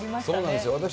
そうなんですよ。